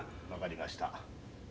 ・分かりました。